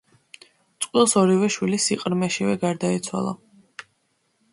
წყვილს ორივე შვილი სიყრმეშივე გარდაეცვალა.